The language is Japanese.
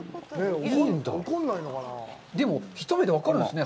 でも、一目で分かるんですね。